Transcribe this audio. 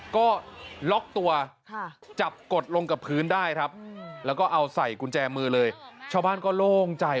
กดลงกับพื้นได้ครับแล้วก็เอาใส่กุญแจมือเลยชาวบ้านก็โล่งใจ